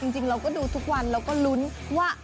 จริงเราก็ดูทุกวันเราก็ลุ้นว่า